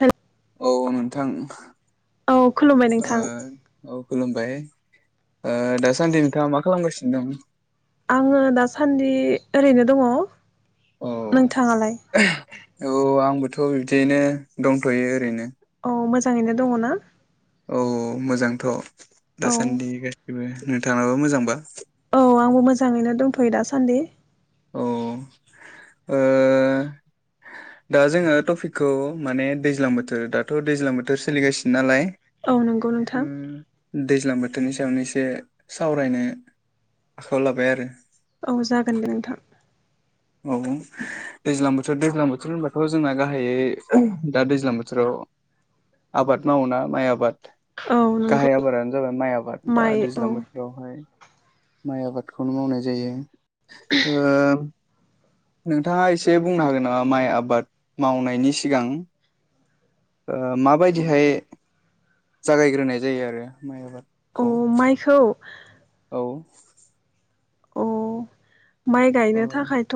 हेल' औ नोंथां औ खुलुमबाय ओ नोंथां। औ खुलुमबाय ओ दासान्दि नोंथाङा मा खालामगासिनो दं? आङो दासान्दि ओरैनो दङ। औ नोंथाङालाय? थ' बिदियैनो दंथ'यो ओरैनो। औ मोजाङैनो दङ ना? औ मोजांथ'। औ दासान्दि गासिबो नोंथाङाबो मोजांबा? औ आंबो मोजाङैनो दंथ'यो दासान्दि। औ ओ दा जोङो टपिकखौ माने दैज्लां बोथोर दाथ' दैज्लां बोथोर सोलिगासिनो नालाय औ नंगौ उम नोंथां। दैज्लां बोथोरनि सायावनो एसे सावरायनो आखायाव लाबाय आरो औ जागोन दे नोंथां। औ दैज्लां बोथोर दैज्लां बोथोर होनबथ' जोंना गाहायै दा दैज्लां बोथोराव आबाद मावोना माइ आबाद। औ नंगौ गाहाय आबादानो जाबाय माइ आबाद दा माइ औ दैज्लां बोथोरावहाय माइ आबादखौनो मावनाय जायो। ओ नोंथाङा एसे बुंनो हागोन नामा माइ आबाद मावनायनि सिगां ओ मा बायदि हाय जागायग्रोनाय जायो आरो माइ आबाद अ माइखौ? औ अ माइ गायनो थाखायथ'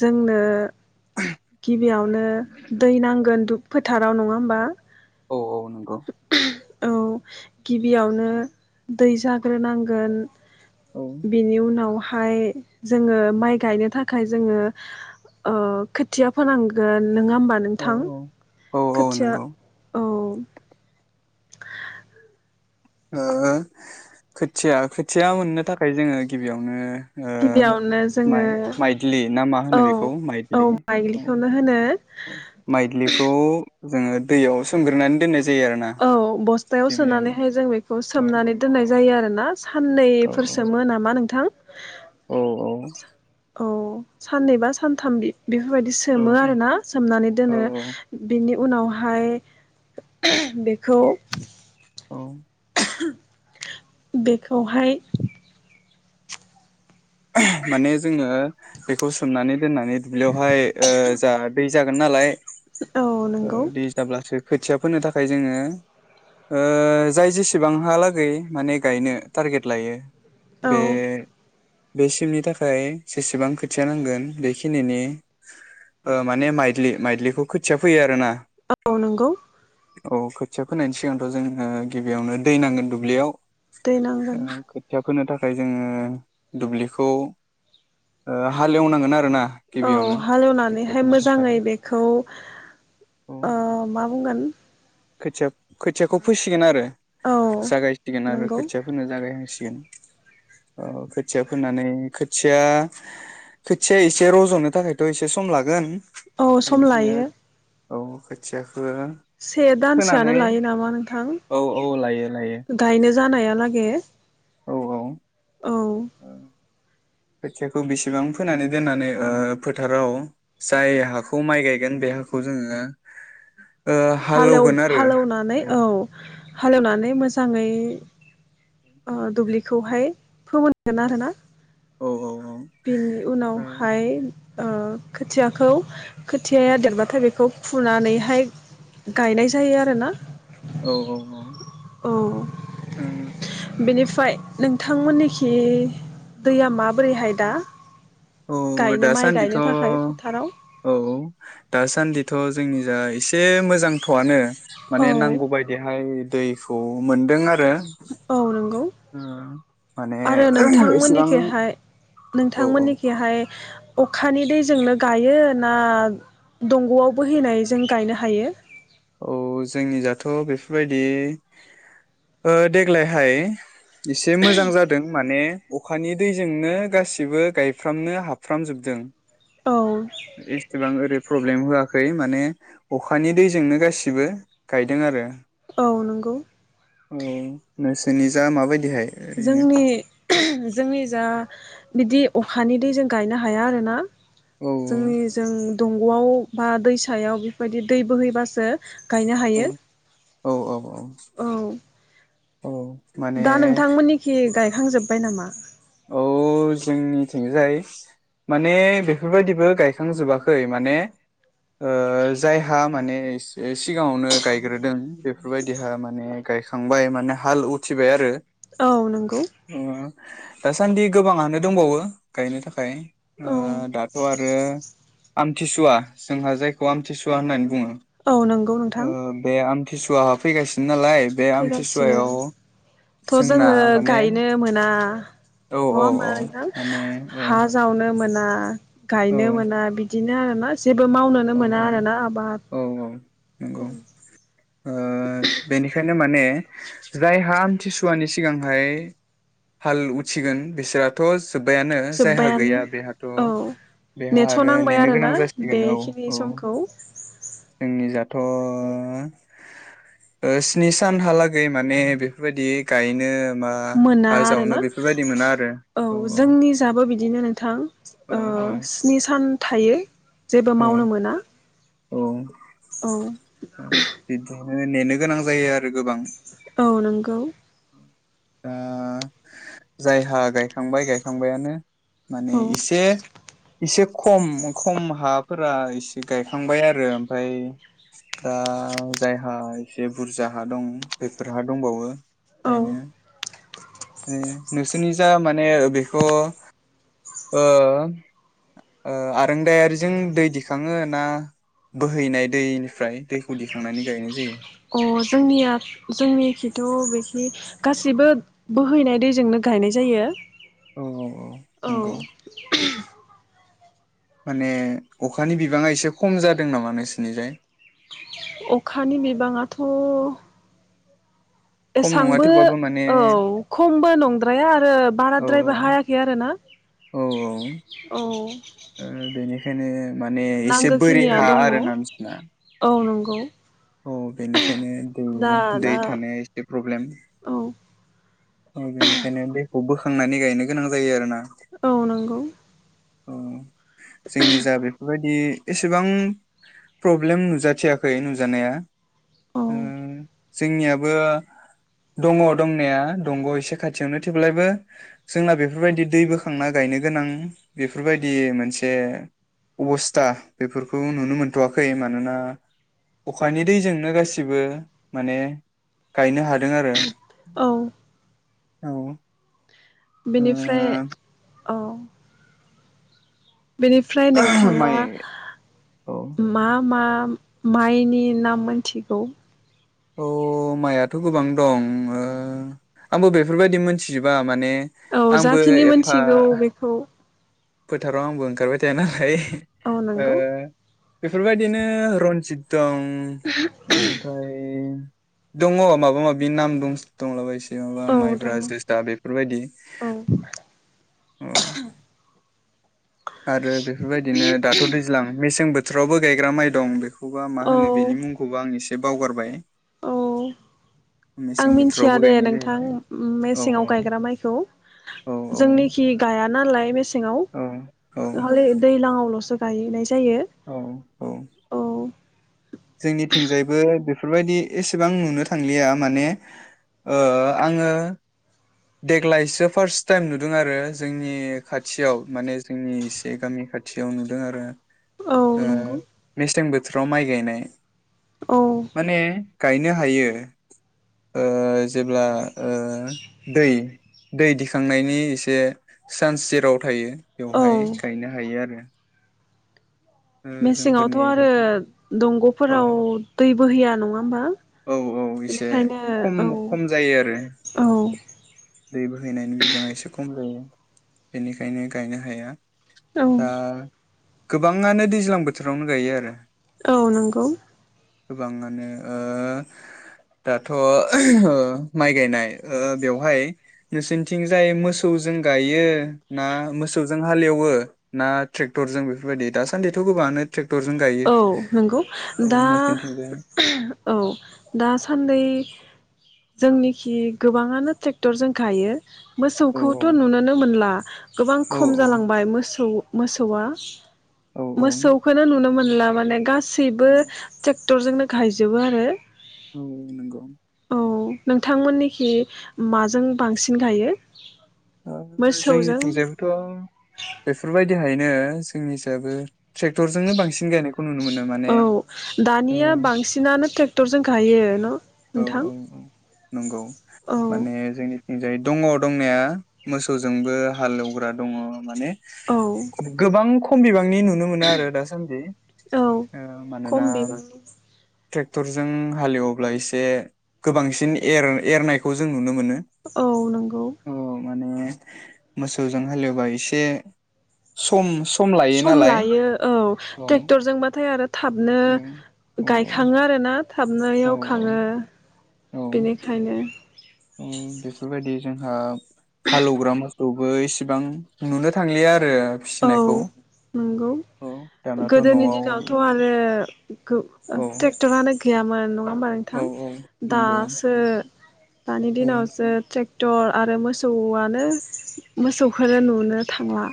जोंनो गिबियावनो दै नांगोन दुब फोथाराव नङा होमबा? औ औ नंगौ औ गिबियावनो दै जाग्रोनांगोन औ बिनि उनाव हाय जोङो माइ गायनो थाखाय जोङो ओ खोथिया फोनांगोन। नङा होमबा औ नोंथां? औ औ औ खोथिया नंगौ औ। [inaudible] ओ खोथिया खोथिया मोननो थाखाय जोङो गिबियावनो ओ गिबियावनो जोङो माइ माइदलि ना मा होनो औ बेखौ औ माइलिखौनो होनो माइदलिखौ जोङो दैयाव सोमग्रोन दोननाय जाय औ बस्थायाव सोनानैहाय जों बेखौ औ सोमनानै दोननाय जायो आरोन साननैफोरसोमो नामा नोंथां औ औ औ साननैबा सानथाम बि बेफोरबायदि सोमो आरो ना सोमनानै औ दोनो बिनि उनावहाय बेखौ औ बेखौहाय माने जोङो बेखौ सोमनानै दोनानै दुब्लियावहाय ओ जा जागोन नालाय औ ओ नंगौ दै जाब्लासो खोथिया फोनो थाखाय जोङो ओ जाय जेसेबांहालागै माने गायनो टारगेट लायो औ बे बे सिमनि थाखाय जेसेबां खोथिया नांगोन बेखिनिनि ओ माने माइदलि माइदलिखौ खोथिया फैयो आरोना औ नंगौ औ खोथिया फोनायनि सिगांथ ओ जोंङनो गिबियावनो दै नांगोन दुब्लियाव दैनांगोन खोथिया फोनो थाखाय जोङो दुब्लिखौ ओ हालेवनांगोन आरोना औ गिबियावनो खोथिया हालेवनानैहाय फोनो थाखाय मोजाङै बेखौ औ ओ मा बुंगोन खोथिया खोथियाखौ फैसिगोन आरो औ जागायसिगोन आरो नंगौ खोथियाफोनो जागायहांसि [unintelligible] थिया फोननानै खोथिया खोथिया एसे रजनो थाखायथ एसे सम लागोन औ सम बेनिखायनो लायो औ खाोथिया से दानसोआनो लायो नामा नोंथां औ औ लायो लायो गायनो जानायालागे औ औ औ [inaudible] खोथियाखौ बेसेबां फोनानै दोननानै ओ फोथाराव जाय हाखौ माइ गायगोन बे हाखौ जोङो ओ हाल एव हालौगोन आरो हाल एवनानै औ हाल एवनानै मोजाङै ओ दुब्लिखौहाय फोमोन गोन आरोना। औ औ। बेनि औ उनावहाय ओ खोथियाखौ खोथियाया देरबाथाय बेखौ फुनानैहाय गायनाय जायो आरोना औ औ औ। औ बेनि फ्राय नोंथांमोननिखि दैया मा औ माइ दासान्दिथ' गायनो थाखाय फोथाराव औ दासान्दि थ' जोंनि जा एसे मोजां थ'आनो माने औ नांगौ बायदिहाय दैखौ मोनदों आरो। औ नंगौ। ओ माने आरो एसेबां नोंथांमोननिखिहाय औ औ नोंथांमोननिखिहाय अखानि दैजोंनो गायो ना दंग'आव बोहैनायजों गायनो हायो। औ जोंनिजाथ' बेफोरबायदि ओ देग्लायहाय एसे मोजां जादों माने अखानि दैजोंनो गासिबो गायफ्रामनो हाबफ्रामजोबदों। औ एसेबां ओरै प्रब्लेम होआखै खै माने अखानि दैजोंनो गासिबो गायदों आरो। औ नंगौ। औ नोंसोरनिजा माबायदि? जोंनि जोंनि जा बिदि अखानि दै जों गायनो हाया आरोना। औ जोंनि जों दं गआव बा दैसायाव बेफोरबायदि दै बोहैबासो गायनो हायो। औ औ औ औ औ माने दा नोंथांमोननिखि गाय खां जोबबाय नामा? औ जोंनिथिंजाय माने बेफोरबायदिबो गायखांजोबाखै माने ओ जायहा माने सि-सिगाङावनो गायग्रोदों बेफोरबायदिहा माने गायखांबाय माने हाल उथिबाय आरो औ नंगौ [inaudible] दासान्दि गोबाङानो दंबावो गायनो थाखाय ओ औ दाथ' आरो आमथिसुवा जोंहा जायखौ आमथिसुवा होननानै बुङो औ नंगौ नोंथां ओ बे आम थिसुवाहा फैगासिनो नालाय बे फैगासिनो आमथिसुवायाव थ' जोंना जोङो माने गायनो मोना औ नङा औ होमबा औ नोंथां माने औ हा जावनो मोन ना औ गायनो मोना बिदि दिनो आरो मा जेबो मावनोनो औ मोना आरोना आबाद औ औ नंगौ ओ बेनिखायनो माने जायहा आमथिसुवानि सिगांहाय हाल उथिगोन बिसोराथ' जोब्बायानो जायहा जोब्बायानो गैया बेहाथ' औ बेहा नेथ' आरो नेनो गोनां जासिगोन औ औ थ' ओ स्नि सानहालागै माने बेफोरबायदि गायनो बा मोना हा आरो ना जावनो बेफोरबायदि मोना आरो औ जोंनि जाबो बि दिनो नोंथां ओ औ स्नि सान थायो। जेबो औ मावनो मोना औ औ नो नेनो गोनां जायो आरो गोबां औ नंगौ दा जायहा गायखांबाय गायखांबायानो औ माने इसे एसे खम खम हाफोरा एसे गायखांबाय आरो ओमफ्राय दा जायहा एसे बुरजा हा दं बेफोर हा दंबावो औ गायनो नोंसोरनि जा माने बेखौ ओ ओ आरोंदायारिजों दै दिखाङो ना बोहैनाय दैनिफ्राय दैखौ दिखांनानै गायनाय जायो। अ जोंनिया जोंनि खैथ' बेखि गासैबो बोहैनाय दैजोंनो गायनाय जायो। औ औ औ नंगौ माने अखानि बिबाङा एसे खम जादों नामा नोंसिनिजाय? अखानि बिबाङाथ' खम नङा एसांबो थेवबाबो माने औ खमबो नंद्राया आरो औ औ बाराद्रायबो हायाखै आरोना औ औ ओ बेनिखायनो माने एसे बोरि नांगोखिनिया हा आरोना नोंसिना गौ औ बेनिखायनो दै दै दा थानाया एसे प्रब्लेम औ ओ बेनिखायनो दैखौ बोखांनानै गायनो गोनां जायो आरो ना । औ नंगौ । औ जोंनि जा बेफोरबायदि एसेबां प्रब्लेम नुजाथियाखै नुजानाया औ उम्म जोंनियाबो दङ दंनाया दंग' एसे खाथियावनो थेवब्लाायबो जोंना बेफोरबायदि दै बोखांना गायनो गोनां बेफोरबायदि मोनसे अबस्था बेफोरखौ नुनो मोनथ'वाखै मानोना अखानि दैजोंनो गासिबो माने गायनो हादों आरो । औ औ ओ बेनिफ्राय औ बेनिफ्राय नोंथांङा माइ औ मा मा माइनि नाम मोनथिगौ? अ माइआथ' गोबां दं ओ आंबो बेफोरबायदि मोनथिजोबा माने औ आंबो जाखिनि एफा मोनथिगौ बेखौ फोथाराव आंबो ओंखारबाय थाया नालाय औ ओ नंगौ बेफोरबायदिनो रनजित दं ओमफाय दङ माबा माबि नाम दंस दंलाबायसे जेनबा औ दङ माइब्रा जोसा बेफोरबायदि औ औ । आरो बेफोरबायदिनो दाथ' दैज्लां मेसें बोथ बोथोरावबो गायग्रा माइ दं बे खौबा मा औ होनो बेनि मुंखौबो आं एसे एसे बावगारबाय औ आं मेसें मिन्थिया बोथोरावबो दे गायनाय नोंथां जायो औ मेसेंङाव गायग्रा माइखौ औ जोंनिखि गाया नालाय मेसें सेंङाव औ औ औ [unintelligible] दैलांङावल'सो गायोनाय जायो औ । जोंनिथिंजायबो बेफोरबायदि एसेबां नुनो थांलिया माने ओ आंङो देग्लायसो फार्स्ट टाइम नुदों आरो जोंनि खाथियाव माने जोंनि एसे गामि खाथियाव नुदों आरो । औ नंगौ ओ मेसें बोथो बोथोराव माइ गायनाय । औ माने गायनो हायो ओ जेब्ला ओ दै दै दिखांनायनि एसे सान सेराव थायो औ बेवहाय गायनो हायो आरो ओ मेसेङावथ' जोंफोरनि आरो औ दंग'फोराव दै बोहैया नङा होमबा औ औ एसे बेनिखायनो खम औ खम जायो आरो दै बोहैनायनि औ बिबाङा एसे खम जायो बेनिखायनो गायनो हाया औ दा गोबां नोंङानो दैज्लां बोथोरावनो गायो आरो औ नंगौ गोबाङानो ओ दाथ' माइ गायनाय ओ बेवहाय नोंसनिथिं जाय मोसौजों गायो ना मोसौजों हालेवो ना ट्रेक्टरजों बेफोरबायदि दा सान्दिथ' गोबाङानो टे औ नंगौ दा नोंसोरनिथिंजाय औ दासान्दै जोंनिखि गोबाङानो ट्रेक्टरजों गायो औ मोसौखौथ' नुनोनो मोनला गोबां औ खम जालांबाय मोसौ मोसौआ औ औ मोसौखोनो नुनो मोन ला माने गासै औ सिबो ट्रे क्टरजोंनो गायजोबो आरो औ नंगौ औ नोंथांमोननिखि माजों बांसिन गायो मोसौजों जोंनिथिंजायबोथ' बेफोरबायदि बिदिहायनो जोंनि जाबो माने औ औ दानिया बांसिनानो ट्रेक्टरजों गायो न' औ नोंथां औ नंगौ औ माने जोंनि जाय दङआव दंनाया मोसौजोंबो हालेवग्रा दङ माने औ गोबां खमबिबां नि नुनो मोनो आरो दासान्दि औ मानोना खम बिबांनि ट्रेक्टरजों हालेवब्ला एसे गोबांसिन एर-एरनायखौ जों नुनो मोनो औ नंगौ औ माने मोसौजों हालेवबा एसे सम स सम लायो औ टेक्टरजोंबाथाय आरो थाबनो औ औ गायखाङो आरोना। थाबनो औ एवखाङो। औ बेनिखायनो। औ बेफोरबायदि जोंहा। हालौग्रा मो थेवबो इसिबां नुनो थांलिया आ रो औ फिसिनायखौ नंगौ औ दानाथ नआव। खौ ट्रेक्टार आनो गैयामोन नङा होनबा नोंथां औ औ नंगौ दासो दानि औ दिनावसो ट्रेक टर आरो मोसौआनो मोसौखौनो नुनो थांला।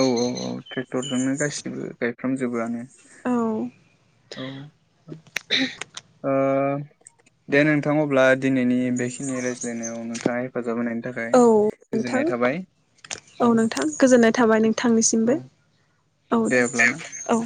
औ औ औ ट्रेक्टरजोंनो गासिबो गायफ्रामजोबोआनो। औ। औ। [unintelligible] ओ दे नोंथां अब्ला दिनैनि बेखिनि रायज्लायनायाव नोंथाङा हेफाजाब होनाय औ नोंथां औ नोंथां गोजोननाय थाबाय औ नोंथांनिसिमबो औ दे औ।